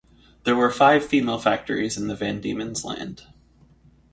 There were five female factories in Van Diemen's Land.